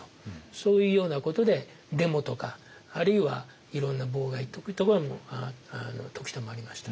そういうようなことでデモとかあるいはいろんな妨害とかも時たまありました。